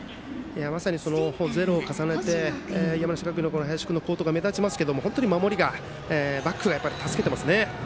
まさにゼロを重ねて山梨学院の林君の好投が目立ちますけど本当に守りがバックが助けてますね。